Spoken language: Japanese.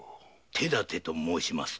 「手だて」と申しますと？